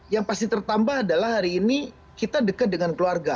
yang pasti tertambah adalah hari ini kita dekat dengan keluarga